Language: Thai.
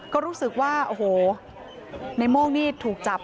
ก็รู้สึกว่าโอ้โหในโม่งนี่ถูกจับ